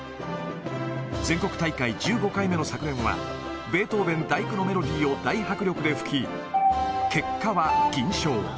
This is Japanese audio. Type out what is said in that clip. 全国大会１５回目の昨年は、ベートーベン第９のメロディーを大迫力で吹き、結果は銀賞。